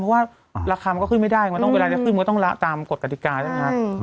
เพราะว่าราคามก็ขึ้นไม่ได้ไม่ต้องเวลาได้ขึ้นก็ต้องตามกฎกตริกาใช่ไหมคะ